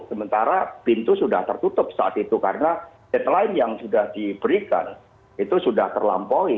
sementara pintu sudah tertutup saat itu karena deadline yang sudah diberikan itu sudah terlampaui